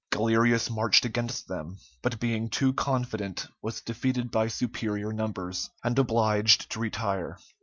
Galerius marched against them, but being too confident was defeated by superior numbers, and obliged to retire.